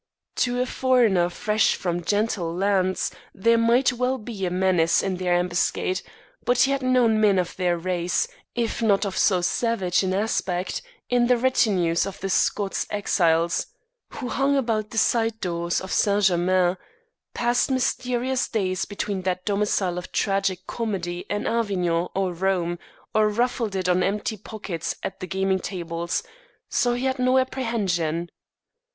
To a foreigner fresh from gentle lands there might well be a menace in their ambuscade, but he had known men of their race, if not of so savage an aspect, in the retinues of the Scots exiles who hung about the side doors of Saint Germains, passed mysterious days between that domicile of tragic comedy and Avignon or Rome, or ruffled it on empty pockets at the gamingtables, so he had no apprehension.